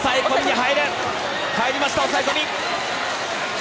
入りました、抑え込み！